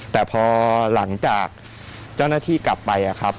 แต่พอหลังจากเจ้าหน้าที่กลับไปครับ